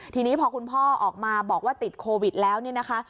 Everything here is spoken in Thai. ทีนี้พอคุณพ่อออกมาบอกว่าติดโควิดแล้วเนี่ยนะคะ